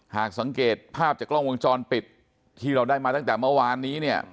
หากสังเกตภาพจากกล้องวงจรปิดที่เราได้มาตั้งแต่เมื่อวานนี้เนี่ย